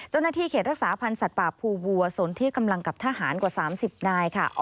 เจ้าหน้าที่เขตรักษาพันธ์สัตว์ป่าภูวัวสนที่กำลังกับทหารกว่า๓๐นายค่ะ